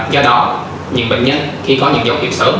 do đó những bệnh nhân khi có những dấu hiệu sớm